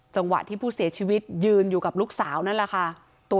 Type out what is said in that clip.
จังหวะที่ผู้เสียชีวิตยืนอยู่กับลูกสาวนั่นแหละค่ะ